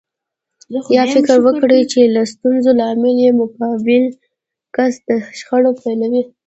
يا فکر وکړي چې د ستونزې لامل يې مقابل کس دی شخړه پيلوي.